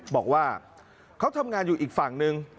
บอกว่าเขาทำงานอยู่อีกฝั่งหนึ่ง